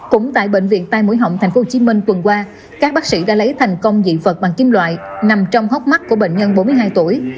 cũng tại bệnh viện tai mũi họng tp hcm tuần qua các bác sĩ đã lấy thành công dị vật bằng kim loại nằm trong hốc mắt của bệnh nhân bốn mươi hai tuổi